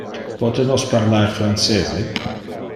Pote nos parlar francese?